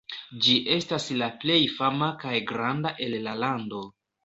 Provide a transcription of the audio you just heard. Ĝi estas la plej fama kaj granda el la lando.